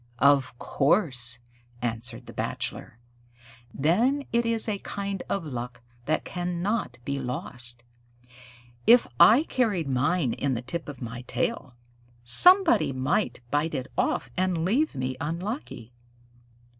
"Of course," answered the Bachelor. "Then it is a kind of luck that cannot be lost. If I carried mine in the tip of my tail, somebody might bite it off and leave me unlucky."